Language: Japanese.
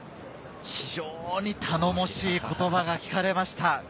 非常に頼もしい言葉が聞かれました。